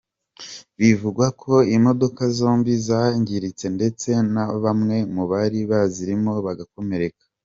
Bivugwa ko imodoka zombi zangiritse ndetse na bamwe mu bari bazirimo bagakomereka.